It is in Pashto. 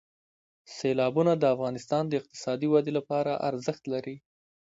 سیلابونه د افغانستان د اقتصادي ودې لپاره ارزښت لري.